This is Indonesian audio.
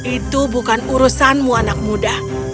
itu bukan urusanmu anak muda